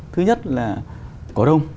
thứ nhất là cổ đông